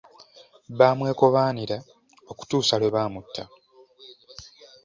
Bamwekobaanira okutuusa lwe baamutta.